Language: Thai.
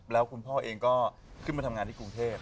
แล้วคุณพ่อเองก็ขึ้นมาทำงานที่กรุงเทพ